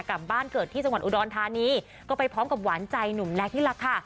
กลับบ้านเกิดที่จังหวัดอุดรธานีก็ไปพร้อมกับหวานใจหนุ่มแล็กนี่แหละค่ะ